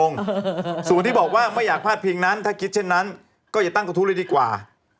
ส่วนที่บอกว่าไม่อยากพลาดพิงนั้นถ้าคิดเช่นนั้นก็อย่าตั้งกระทู้เลยดีกว่า